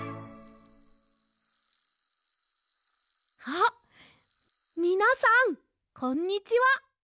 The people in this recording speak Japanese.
あっみなさんこんにちは。